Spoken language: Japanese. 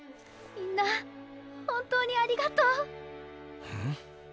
みんな本当にありがとう。